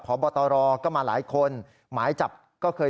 เพราะว่ามีทีมนี้ก็ตีความกันไปเยอะเลยนะครับ